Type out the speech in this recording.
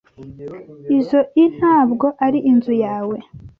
Izoi ntabwo ari inzu yawe.